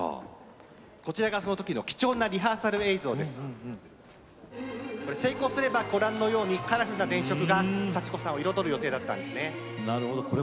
貴重なリハーサルの映像なんですけれども成功すれば、ご覧のようにカラフルな電飾が幸子さんを彩る予定だったんです。